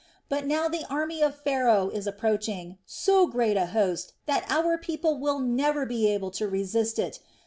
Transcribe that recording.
But now the army of Pharaoh is approaching, so great a host that our people will never be able to resist it.